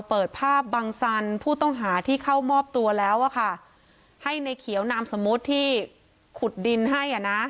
เปิดภาพบังสันผู้ต้องหาที่เข้ามอบตัวแล้วอะค่ะให้ในเขียวนามสมมุติที่ขุดดินให้อ่ะนะ